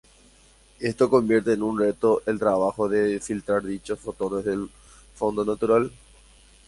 Esto convierte en un reto el trabajo de filtrar dichos fotones del fondo natural.